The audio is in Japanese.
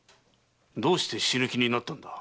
どうして死ぬ気になったのだ？